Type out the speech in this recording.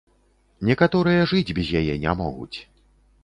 Некаторыя жыць без яе не могуць.